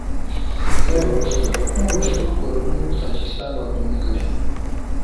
درېمه پوښتنه: کومو مشهورو کورنیو پر تاجکستان واکمني کړې ده؟